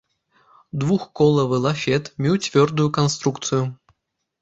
Двухколавы лафет меў цвёрдую канструкцыю.